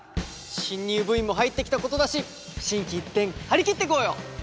新入部員も入ってきたことだし心機一転張り切っていこうよ。